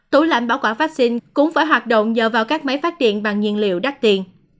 tủ lạnh bảo quản vaccine cũng phải hoạt động do vào các máy phát điện bằng nhiên liệu đắt tiền